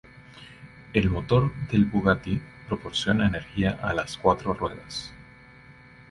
El motor del Bugatti proporciona energía a las cuatro ruedas.